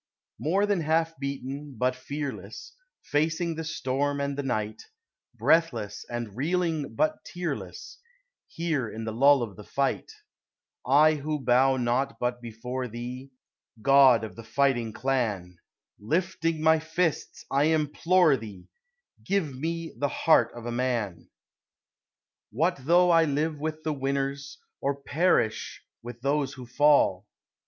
More than half beaten, but fearless, Facing the storm and the night; Breathless and reeling but tearless, Here in the lull of the fight, I who bow not but before thee, God of the fighting Clan, Lifting my fists, I implore Thee, Give me the heart of a Man! What though I live with the winners Or perish with those who fall?